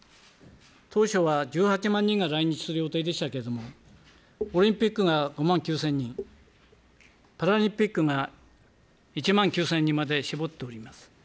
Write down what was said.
当初は１８万人が来日する予定でしたけれども、オリンピックが５万９０００人、パラリンピックが１万９０００人まで絞っております。